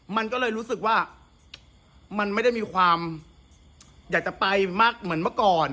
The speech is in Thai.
มันก็เลยรู้สึกว่ามันไม่ได้มีความอยากจะไปมากเหมือนเมื่อก่อน